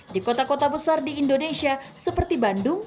di kota kota besar di indonesia seperti bandung